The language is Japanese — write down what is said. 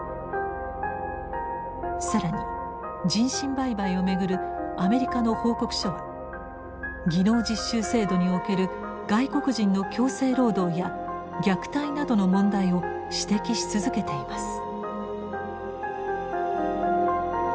更に人身売買を巡るアメリカの報告書は技能実習制度における外国人の強制労働や虐待などの問題を指摘し続けています。